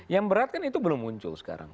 yang berat kan itu belum muncul sekarang